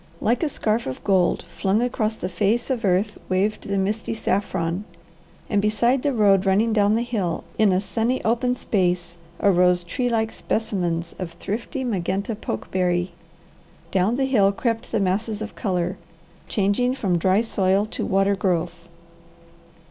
Like a scarf of gold flung across the face of earth waved the misty saffron, and beside the road running down the hill, in a sunny, open space arose tree like specimens of thrifty magenta pokeberry. Down the hill crept the masses of colour, changing from dry soil to water growth.